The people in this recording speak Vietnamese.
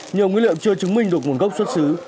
nhiều nguyên liệu chưa chứng minh được nguồn gốc xuất xứ